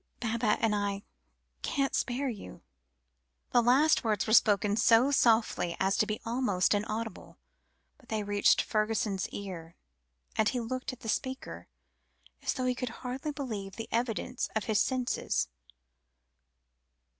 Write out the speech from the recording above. Baba and I can't spare you." The last words were spoken so softly as to be almost inaudible; but they reached Fergusson's ears, and he looked at the speaker, as though he could hardly believe the evidence of his senses.